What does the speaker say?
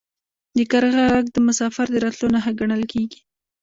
د کارغه غږ د مسافر د راتلو نښه ګڼل کیږي.